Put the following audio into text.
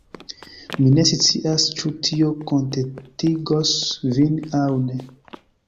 Mi ne scias, ĉu tio kontentigos vin aŭ ne.